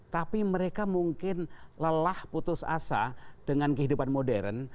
tapi mereka mungkin lelah putus asa dengan kehidupan modern